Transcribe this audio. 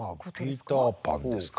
ピーターパンですか。